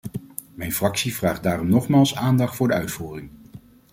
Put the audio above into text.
Mijn fractie vraagt daarom nogmaals aandacht voor de uitvoering.